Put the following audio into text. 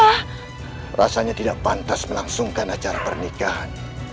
wah rasanya tidak pantas melangsungkan acara pernikahan